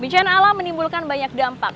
bencana alam menimbulkan banyak dampak